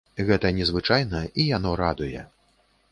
Гэта незвычайна, і яно радуе.